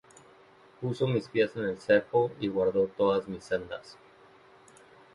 Puso mis pies en el cepo, Y guardó todas mis sendas.